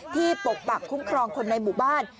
ปกปักคุ้มครองคนในหมู่บ้าน